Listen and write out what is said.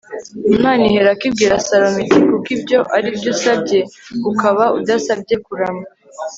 imana iherako ibwira salomo iti kuko ibyo ari byo usabye, ukaba udasabye kurama